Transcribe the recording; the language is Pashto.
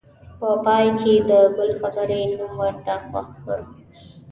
په پای کې یې د ګل خبرې نوم ورته خوښ کړ.